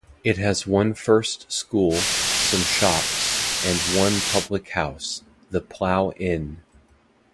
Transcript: It has one first school, some shops, and one public house, the Plough Inn.